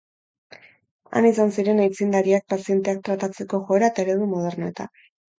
Han izan ziren aitzindariak pazienteak tratatzeko joera eta eredu modernoetan.